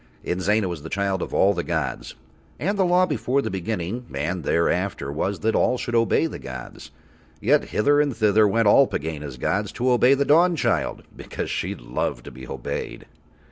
Inzana was the child of all the gods. And the law before the Beginning and thereafter was that all should obey the gods, yet hither and thither went all Pegāna's gods to obey the Dawnchild because she loved to be obeyed.